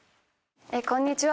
こんにちは。